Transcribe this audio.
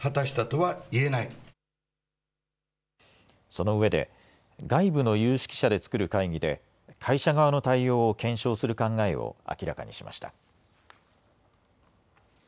そのうえで外部の有識者で作る会議で会社側の対応を検証する考えを明らかにしました。